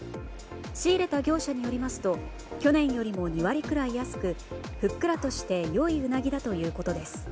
仕入れた業者によりますと去年よりも２割くらい安くふっくらとして良いウナギだということです。